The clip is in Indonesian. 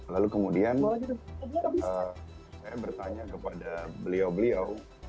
lalu kemudian saya bertanya kepada beliau beliau